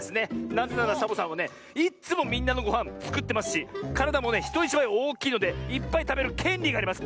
なぜならサボさんはねいっつもみんなのごはんつくってますしからだもねひといちばいおおきいのでいっぱいたべるけんりがあります！